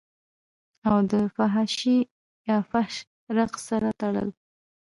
او دفحاشۍ يا فحش رقص سره تړل